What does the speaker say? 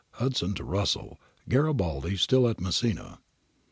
Hudson to Russell. [Garibaldi still at Messina.